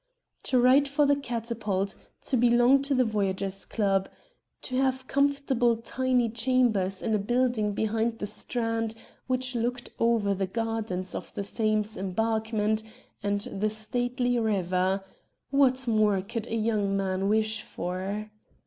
To write for the ' Cata pult,' to belong to the Voyagers' Club, to 1 6 RED DIAMONDS have comfortable tiny chambers in a building behind the Strand which looked over the gardens of the Thames Embankment and the stately river — what more could a young man wish for?